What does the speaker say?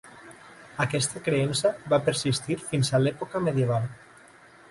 Aquesta creença va persistir fins a l'època medieval.